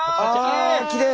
あきれい！